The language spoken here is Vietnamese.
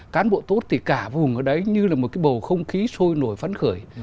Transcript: cán bộ tốt thì cả vùng ở đấy như là một cái bầu không khí sôi nổi phấn khởi